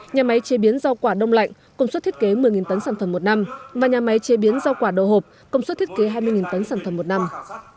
nhà máy chế biến rau quả đông lạnh công suất thiết kế một mươi tấn sản phẩm một năm và nhà máy chế biến rau quả đồ hộp công suất thiết kế hai mươi tấn sản phẩm một năm